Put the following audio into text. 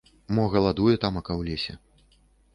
Мо галадуе тамака ў лесе?